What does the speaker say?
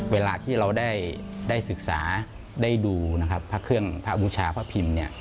เวลาที่เราได้ศึกษาได้ดูนะครับพระเครื่องพระบูชาพระพิมพ์